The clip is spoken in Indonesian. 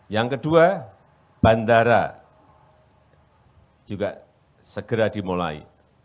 yang kedua bandara juga segera dimulai